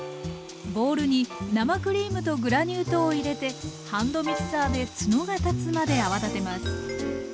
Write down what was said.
ボウルに生クリームとグラニュー糖を入れてハンドミキサーでツノが立つまで泡立てます。